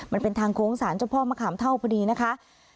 มันเป็นทางโค้งสารเจ้าพ่อมะขามเท่าพอดีนะคะ